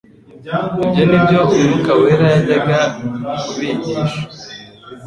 Ibyo ni byo Umwuka wera yajyaga kubigisha.